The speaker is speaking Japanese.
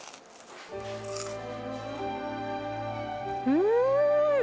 うん！